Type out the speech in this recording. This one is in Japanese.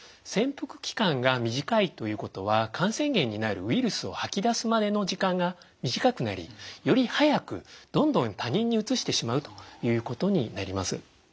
潜伏期間が短いということは感染源になるウイルスを吐き出すまでの時間が短くなりより早くどんどん他人にうつしてしまうということになります。